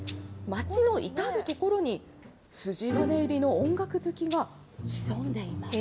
町の至る所に筋金入りの音楽好きが潜んでいます。